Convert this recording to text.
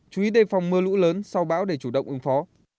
chú ý đề phòng mưa lũ lớn sau bão để chủ động ứng phó